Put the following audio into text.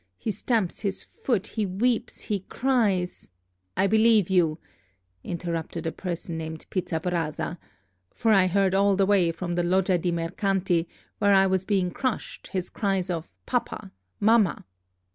He stamps his foot, he weeps, he cries " "I believe you," interrupted a person named Pizzabrasa, "for I heard all the way from the Loggia dei Mercanti, where I was being crushed, his cries of 'Papa! Mamma!'"